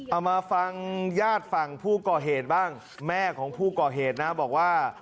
เอามาฟังญาติฝั่งผู้ก่อเหตุบ้างแม่ของผู้ก่อเหตุนะบอกว่า